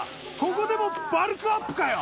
ここでもバルクアップかよ！